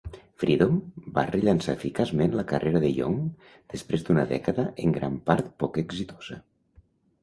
"Freedom" va rellançar eficaçment la carrera de Young després d'una dècada en gran part poc exitosa.